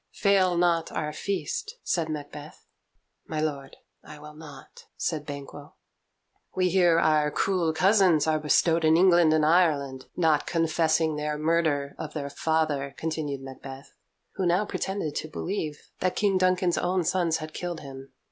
"Fail not our feast," said Macbeth. "My lord, I will not," said Banquo. "We hear our cruel cousins are bestowed in England and Ireland, not confessing their murder of their father," continued Macbeth, who now pretended to believe that King Duncan's own sons had killed him.